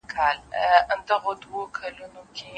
د مېږیانو به حتما کور خرابېږي»